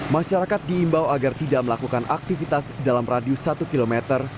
masyarakat diimbau agar tidak melakukan aktivitas dalam radius satu kilometer